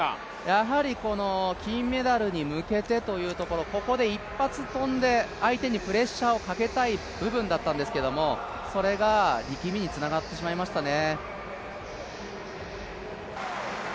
やはり金メダルに向けてというところ、ここで一発跳んで、相手にプレッシャーをかけたい部分だったんですけど、それが力みにつながってしまいましたね。